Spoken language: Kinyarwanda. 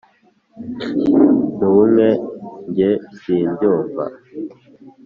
mu bumwe nge simbyumva